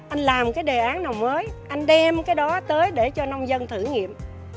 anh làm cái đề án nào mới anh đem cái đó tới để cho nông dân thử nghiệm